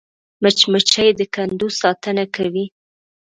مچمچۍ د کندو ساتنه کوي